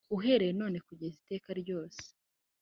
Uhereye none ukageza iteka ryose